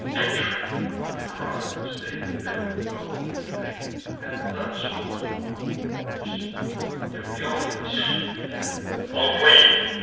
Ent'ring, with cries they fill'd the holy fane; Then thus, with lowly voice, Ilioneus began: "O Queen!